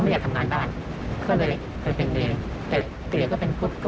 ผมก็ไปสัมผัสผมก็เรียกว่าเขามากับไว้ครั้งนี้